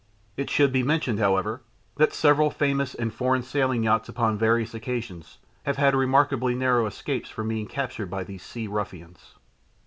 It should be mentioned, however, that several famous British and foreign sailing yachts upon various occasions have had remarkably narrow escapes from being captured by these sea ruffians.